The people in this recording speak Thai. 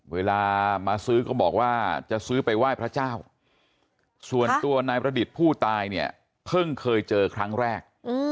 เวลามาซื้อก็บอกว่าจะซื้อไปไหว้พระเจ้าส่วนตัวนายประดิษฐ์ผู้ตายเนี่ยเพิ่งเคยเจอครั้งแรก